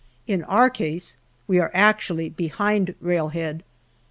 In our case we are actually behind railhead.